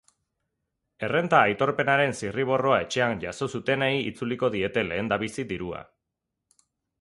Errenta aitorpenaren zirriborroa etxean jaso zutenei itzuliko diete lehendabizi dirua.